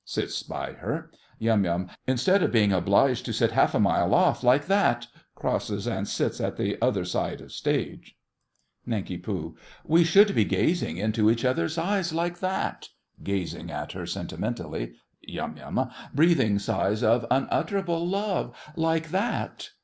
(Sits by her.) YUM. Instead of being obliged to sit half a mile off, like that. (Crosses and sits at other side of stage.) NANK. We should be gazing into each other's eyes, like that. (Gazing at her sentimentally.) YUM. Breathing sighs of unutterable love—like that.